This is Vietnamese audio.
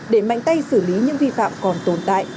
để mạnh tay xử lý những vi phạm còn tồn tại